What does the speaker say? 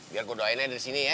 biar gue doain aja dari sini ya